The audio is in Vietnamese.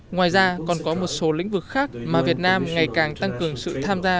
ngoài ra còn có một số lĩnh vực khác mà việt nam ngày càng tăng cường sự tham gia